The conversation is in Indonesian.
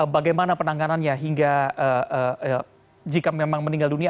bagaimana penanganannya hingga jika memang meninggal dunia